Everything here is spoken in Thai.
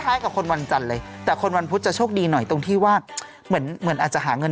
คล้ายกับคนวันจันทร์เลยแต่คนวันพุธจะโชคดีหน่อยตรงที่ว่า